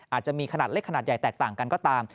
อาจจะมีขนาดเล็กขนาดใหญ่แตกต่างกันก็ตาม